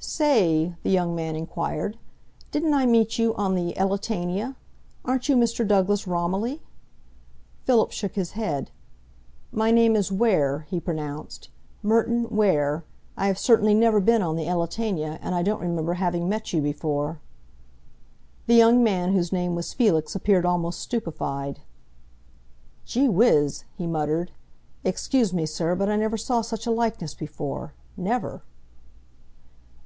"Say," the young man enquired, "didn't I meet you on the Elletania? Aren't you Mr. Douglas Romilly?" Philip shook his head. "My name is Ware," he pronounced, "Merton Ware. I have certainly never been on the Elletania and I don't remember having met you before." The young man whose name was Felix appeared almost stupefied. "Gee whiz!" he muttered. "Excuse me, sir, but I never saw such a likeness before never!"